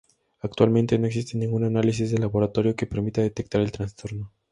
Actualmente, no existe ningún análisis de laboratorio que permita detectar el trastorno.